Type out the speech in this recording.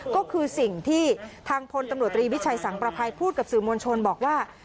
ก็คือสิ่งที่ทางพลตำรวจตรีวิชัยสังประภัยพูดกับสื่อมวลชนบอกว่า